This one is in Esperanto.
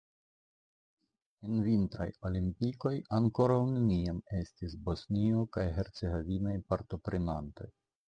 En vintraj olimpikoj ankoraŭ neniam estis Bosnio kaj Hercegovinaj partoprenantoj.